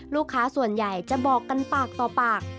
ลูกค้าส่วนใหญ่จะบอกกันปากต่อปาก